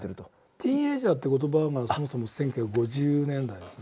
「ティーンエージャー」って言葉はまずそもそも１９５０年代ですね。